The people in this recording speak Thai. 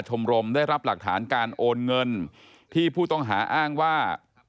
ชมรมได้รับหลักฐานการโอนเงินที่ผู้ต้องหาอ้างว่า